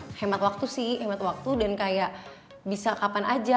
karena saya menggunakan aplikasi ini untuk mengurangi waktu dan menjaga keberadaan saya